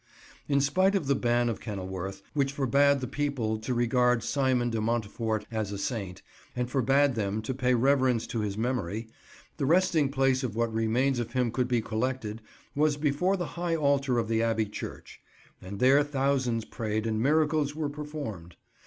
In spite of the Ban of Kenilworth, which forbade the people to regard Simon de Montfort as a saint, and forbade them to pay reverence to his memory, the resting place of what remains of him could be collected was before the High Altar of the Abbey Church, and there thousands prayed and miracles were performed.